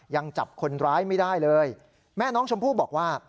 ยังจับคนร้ายไม่ได้เลยแม่น้องชมพู่บอกว่า